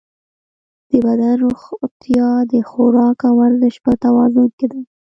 د بدن روغتیا د خوراک او ورزش په توازن کې ده.